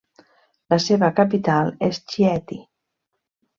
La seva capital és Chieti.